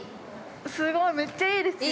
◆すごい、めっちゃいいですよ。